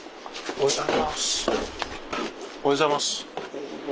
おはようございます。